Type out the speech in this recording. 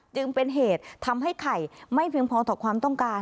จึงเป็นเหตุทำให้ไข่ไม่เพียงพอต่อความต้องการ